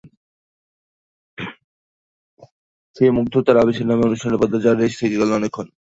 সেই মুগ্ধতার আবেশে নামে অনুষ্ঠানের পর্দা, যার রেশ থেকে গেল অনেকক্ষণ।